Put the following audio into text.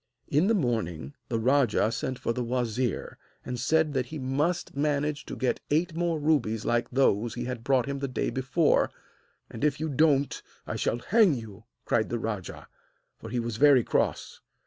In the morning the rajah sent for the wazir, and said that he must manage to get eight more rubies like those he had brought him the day before, 'and if you don't I shall hang you,' cried the rajah, for he was very cross.